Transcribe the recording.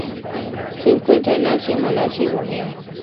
Se encuentran en Asia: Malasia y Borneo.